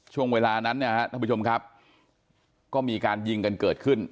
ช่วงเวลานั้นเนี่ยฮะท่านผู้ชมครับก็มีการยิงกันเกิดขึ้น